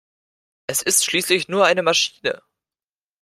Es ist schließlich nur eine Maschine!